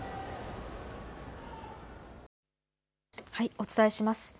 お伝えします。